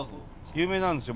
有名なんですよ